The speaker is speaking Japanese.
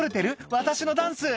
私のダンス」